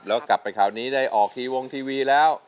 แล้วกลับไปคราวนี้ได้ออกทีวงทีวีแล้ว